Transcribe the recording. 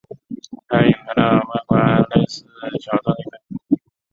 该陨坑的外观类似于月表上发现的其它众多的小撞击坑。